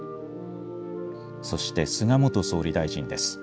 そして菅元総理大臣です。